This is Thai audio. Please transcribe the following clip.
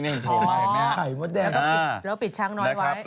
อ๋อไข่มดแดงแล้วปิดชั้นน้อยไว้